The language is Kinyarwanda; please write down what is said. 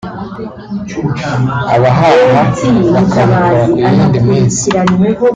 abahaha bakabikora ku yindi minsi